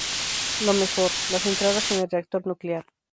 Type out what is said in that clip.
Lo mejor: las entradas en el reactor nuclear.